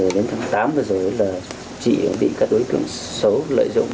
đến tháng tám bây giờ là chị bị các đối tượng xấu lợi dụng